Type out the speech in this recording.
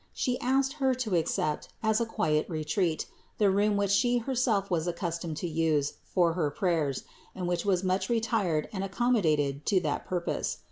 She asked Her to accept, as a quiet retreat, the room which she herself was accustomed to use for her prayers, and which was much retired and accom modated to that purpose.